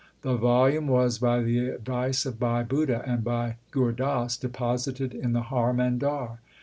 The volume was by the advice of Bhai Budha and Bhai Gur Das deposited in the Har Mandar.